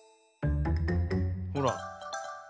ほら。